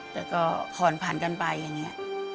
แต่ก็ผ่อนผันกันไปอย่างนี้